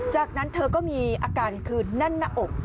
จากนั้นเธอก็มีอาการคือแน่นหน้าอก